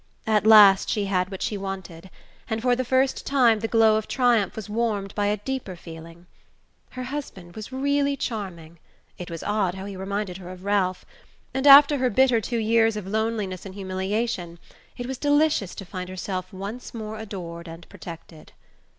At last she had what she wanted, and for the first time the glow of triumph was warmed by a deeper feeling. Her husband was really charming (it was odd how he reminded her of Ralph!), and after her bitter two years of loneliness and humiliation it was delicious to find herself once more adored and protected.